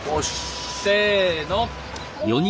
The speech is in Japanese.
せの！